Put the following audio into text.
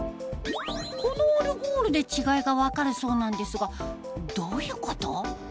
このオルゴールで違いが分かるそうなんですがどういうこと？